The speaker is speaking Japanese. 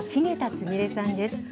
すみれさんです。